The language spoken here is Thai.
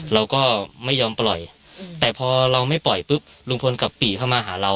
เราก็ไม่ยอมปล่อยแต่พอเราไม่ปล่อยปุ๊บลุงพลกลับปี่เข้ามาหาเรา